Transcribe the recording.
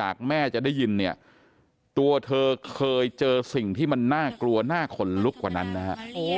จากแม่จะได้ยินเนี่ยตัวเธอเคยเจอสิ่งที่มันน่ากลัวน่าขนลุกกว่านั้นนะฮะ